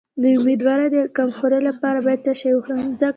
د امیدوارۍ د کمخونی لپاره باید څه شی وخورم؟